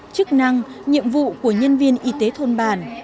chức năng nhiệm vụ của nhân viên y tế thôn bản